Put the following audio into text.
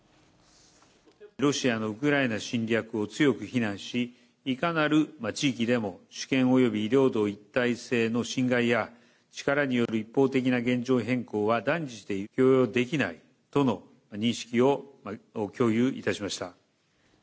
ロシアのウクライナ侵略を強く非難し、いかなる地域でも主権および領土一体性の侵害や、力による一方的な現状変更は断じて許容できないとの認識を共有いたしました。